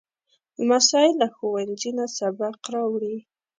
لمسی له ښوونځي نه سبق راوړي.